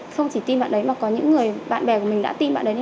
không chỉ tin bạn ấy mà có những người bạn bè của mình đã tin bạn ấy